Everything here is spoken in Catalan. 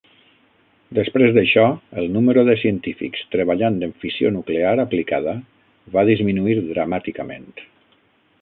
Després d'això, el número de científics treballant en fissió nuclear aplicada va disminuir dramàticament.